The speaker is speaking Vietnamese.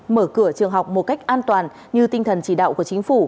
mở cửa trường học một cách an toàn như tinh thần chỉ đạo của chính phủ